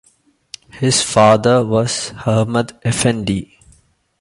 His father was Ahmed Efendi.